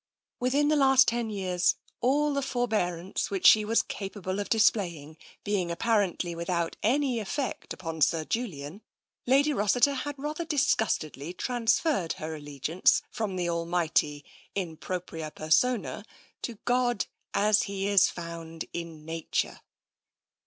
Within the last ten years, all the forbearance which she was capable of displaying being apparently without any effect upon Sir Julian, Lady Rossiter had rather disgustedly transferred her allegiance from the Al mighty, in propria persona, to God as He is found in Nature.